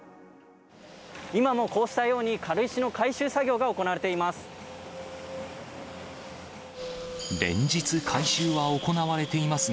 今もこうしたように、軽石の回収作業が行われています。